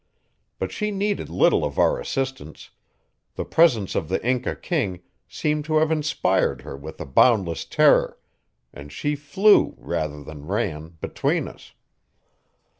But she needed little of our assistance; the presence of the Inca king seemed to have inspired her with a boundless terror, and she flew, rather than ran, between us.